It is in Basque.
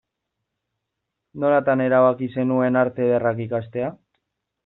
Nolatan erabaki zenuen Arte Ederrak ikastea?